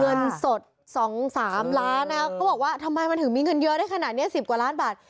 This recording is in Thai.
เงินสด๒๓ล้านนะครับเขาบอกว่าทำไมมันถึงมีเงินเยอะได้ขนาดนี้๑๐กว่าล้านบาท